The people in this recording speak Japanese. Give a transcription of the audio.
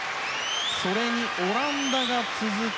それにオランダが続く。